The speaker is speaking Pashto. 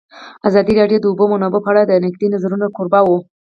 ازادي راډیو د د اوبو منابع په اړه د نقدي نظرونو کوربه وه.